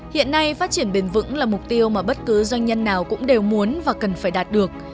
hiện nay phát triển bền vững là mục tiêu mà bất cứ doanh nhân nào cũng đều muốn và cần phải đạt được